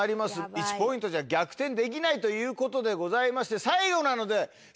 １ポイントじゃ逆転できないということでございまして。